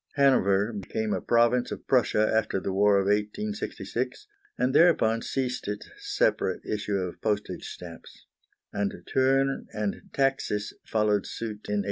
Hanover became a province of Prussia after the war of 1866, and thereupon ceased its separate issue of postage stamps; and Thurn and Taxis followed suit in 1867.